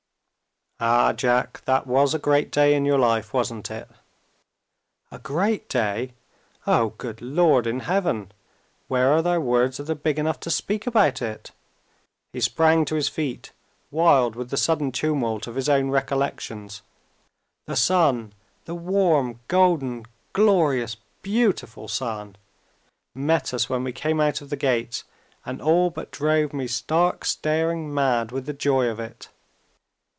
"Ah, Jack, that was a great day in your life, wasn't it?" "A great day? Oh, good Lord in Heaven! where are there words that are big enough to speak about it?" He sprang to his feet, wild with the sudden tumult of his own recollections. "The sun the warm, golden, glorious, beautiful sun met us when we came out of the gates, and all but drove me stark staring mad with the joy of it!